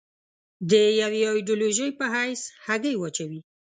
د یوې ایدیالوژۍ په حیث هګۍ واچوي.